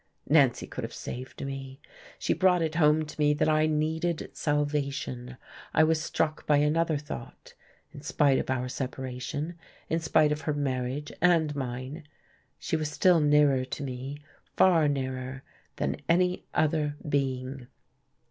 Nancy could have saved me; she brought it home to me that I needed salvation.... I was struck by another thought; in spite of our separation, in spite of her marriage and mine, she was still nearer to me far nearer than any other being.